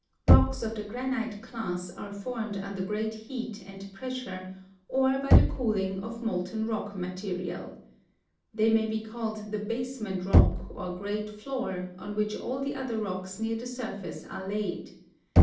Rocks of the granite class are formed under great heat and pressure, or by the cooling of molten rock material. They may be called the basement rock or great floor, on which all the other rocks near the surface are laid.